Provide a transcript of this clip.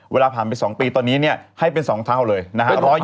เวลาผ่านไป๒ปีตอนนี้เนี่ยให้เป็น๒เท่าเลยนะฮะ